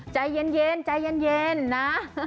ใจเย็นใจเย็นนะ